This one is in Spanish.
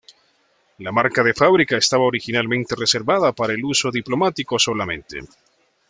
La marca de fábrica estaba originalmente reservada para el uso diplomático solamente.